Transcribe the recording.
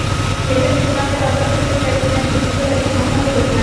Level three মাত্রার অপরাধের জন্য তাই দুই ম্যাচ নিষিদ্ধ হয়েছেন মধ্যাঞ্চল অধিনায়ক।